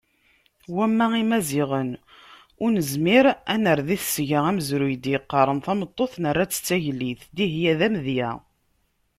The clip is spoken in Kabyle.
Wamma Imaziɣen, ur nezmir ad nerr di tesga amezruy i d-yeqqaren tameṭṭut nerra-tt d tagellidt, Dihya d amedya.